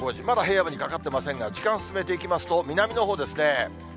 まだ平野部にかかってませんが、時間進めていきますと、南のほうですね。